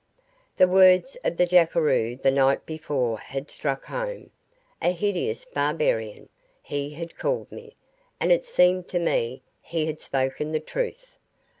The words of the jackeroo the night before had struck home. "A hideous barbarian", he had called me, and it seemed to me he had spoken the truth.